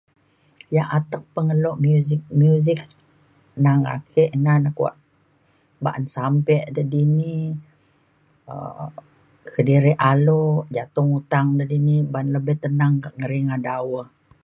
yak atek pengelo muzik muzik neng ake na na kuak ba’an sampe de dini um kedirik alok jatung utang de dini ban lebih tenang kak ngeringa dau e